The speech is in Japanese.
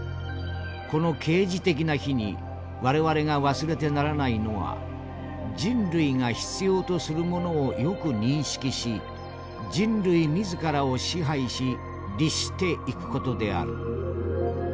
この啓示的な日に我々が忘れてならないのは人類が必要とするものをよく認識し人類自らを支配し律していく事である」。